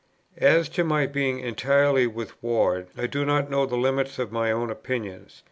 As to my being entirely with Ward, I do not know the limits of my own opinions.